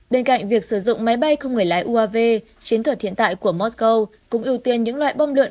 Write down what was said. bên cạnh việc sử dụng máy bay không người lái uav chiến thuật hiện tại của mosco cũng ưu tiên những loại bom lượ